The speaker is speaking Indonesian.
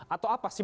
atau apa sih